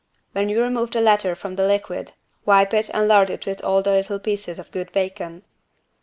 When you remove the latter from the liquid wipe it and lard it all with little pieces of good bacon.